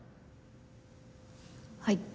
はい。